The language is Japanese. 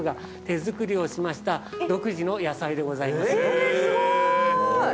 えすごい。